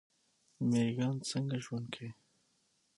میږیان څنګه ژوند کوي؟